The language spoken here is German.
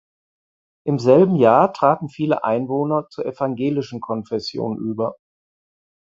Im selben Jahr traten viele Einwohner zur evangelischen Konfession über.